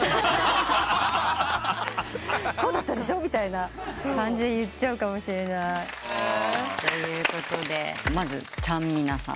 「こうだったでしょ」みたいな感じで言っちゃうかもしれない。ということでまずちゃんみなさん。